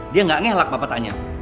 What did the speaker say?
dia gak ngelak bapak tanya